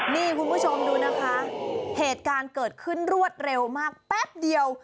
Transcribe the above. นี่คุณผู้ชมดูนะคะเหตุการณ์เกิดขึ้นรวดเร็วมากแป๊บเดียว